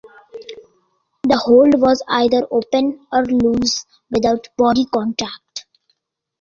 The hold was either open or loose, without body contact.